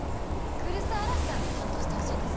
来栖嵐さんに担当してほしいんです。